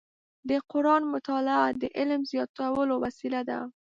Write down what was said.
د قرآن مطالع د علم زیاتولو وسیله ده.